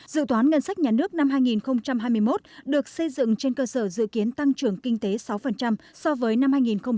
dự toán ngân sách nhà nước năm hai nghìn hai mươi một được xây dựng trên cơ sở dự kiến tăng trưởng kinh tế sáu so với năm hai nghìn hai mươi